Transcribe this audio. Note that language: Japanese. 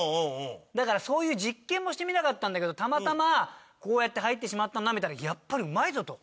だからそういう実験もしてみたかったんだけどたまたまこうやって入ってしまったのをなめたらやっぱりうまいぞと。